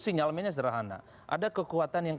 sinyalmennya sederhana ada kekuatan yang